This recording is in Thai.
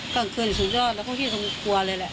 กลางคืนสุดยอดแล้วก็ที่ตรงครัวเลยแหละ